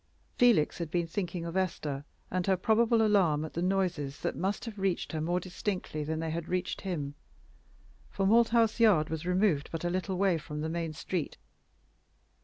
Felix had been thinking of Esther and her probable alarm at the noises that must have reached her more distinctly than they had reached him, for Malthouse Yard was removed but a little way from the main street.